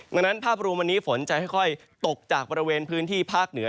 ดังนั้นภาพรวมวันนี้ฝนจะค่อยตกจากบริเวณพื้นที่ภาคเหนือ